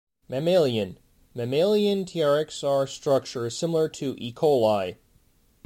Mammalian: Mammalian TrxR structure is similar to "E. coli".